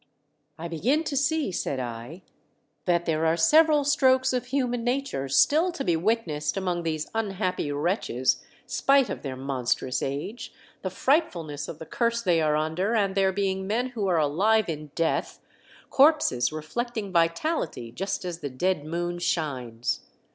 "I begin to see," said I, "that there are several strokes of human nature still to be witnessed among these unhappy wretches, spite of their monstrous age, the frightful ness of the Curse they are under, and their being men v,/ho are alive in death — corpses re flecting vitality just as the dead moon shines.